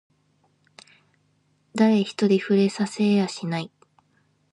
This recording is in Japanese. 誰一人触れさせやしない